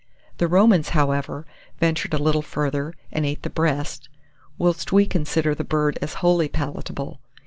The Romans, however, ventured a little further, and ate the breast, whilst we consider the bird as wholly palatable.